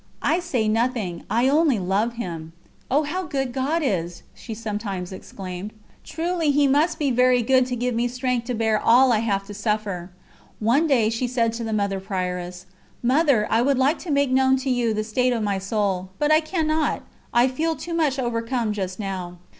"I say nothing I only love Him!" "Oh! how good God is!" ... she sometimes exclaimed. "Truly He must be very good to give me strength to bear all I have to suffer." One day she said to the Mother Prioress: "Mother, I would like to make known to you the state of my soul; but I cannot, I feel too much overcome just now."